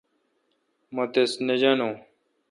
مہ تس نہ جانو۔